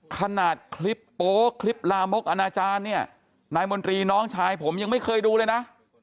ขนาดคลิปโป๊คลิปลามกอนาจารย์เนี่ยนายมนตรีน้องชายผมยังไม่เคยดูเลยนะ